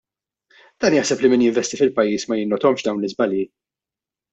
Dan jaħseb li min jinvesti fil-pajjiż ma jinnotahomx dawn l-iżbalji?